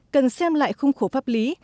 cần xem lại khung khổ pháp lý